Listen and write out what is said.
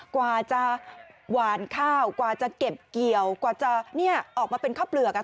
กว่าจะหวานข้าวกว่าจะเก็บเกี่ยวกว่าจะออกมาเป็นข้าวเปลือก